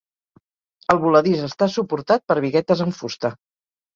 El voladís està suportat per biguetes en fusta.